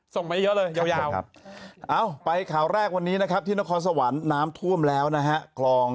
ส่งไปเยอะเลยยาวไปข่าวแรกวันนี้นะครับที่นครสวรรค์น้ำท่วมแล้วนะฮะคลอง